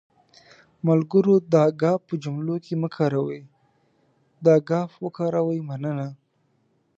ملګرو دا گ په جملو کې مه کاروٸ، دا ګ وکاروٸ.مننه